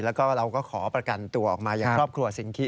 แล้วก็เราก็ขอประกันตัวออกมาอย่างครอบครัวสิงคิ